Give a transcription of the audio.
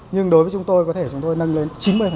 nhưng đối với chúng tôi có thể chúng tôi nâng lên chín mươi